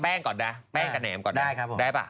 แป้งก่อนได้แป้งกับแหนมก่อนได้ได้ป่ะ